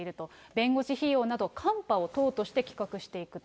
弁護士費用など、カンパを党として企画していくと。